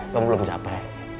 kamu belum capek